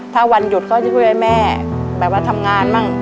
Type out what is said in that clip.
ถ้าวันหยุดก็จะช่วยแม่แบบว่าทำงานบ้าง